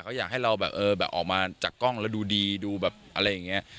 เขาอยากให้เราแบบเออแบบออกมาจากกล้องแล้วดูดีดูแบบอะไรอย่างนี้